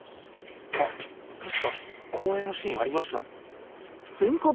あっ確か公園のシーンありました。